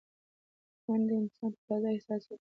منډه انسان ته تازه احساس ورکوي